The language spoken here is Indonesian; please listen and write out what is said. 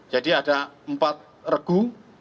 jadi ada empat regu